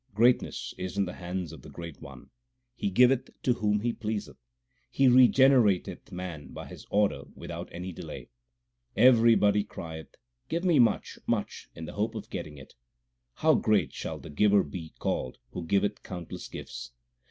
Greatness is in the hands of the Great One ; He giveth to whom He pleaseth. He regenerateth man by His order without any delay. Everybody crieth Give me much, much , in the hope of getting it. How great shall the Giver be called who giveth countless gifts